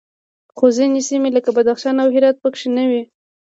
خو ځینې سیمې لکه بدخشان او هرات پکې نه وې